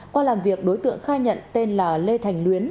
qua làm việc đối tượng khai nhận tên là lê thành luyến